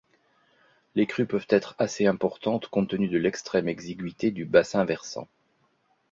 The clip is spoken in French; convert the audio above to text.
Les crues peuvent être assez importantes, compte tenu de l'extrême exigüité du bassin versant.